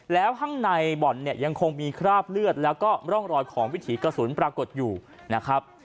แล้วข้างในบ่อนเนี่ยยังคงมีคราบเลือดแล้วก็ร่องรอยของวิถีกระสุนปรากฏอยู่นะครับ